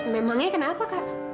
memangnya kenapa kak